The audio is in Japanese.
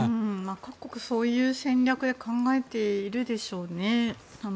各国、そういう戦略で考えているでしょうね。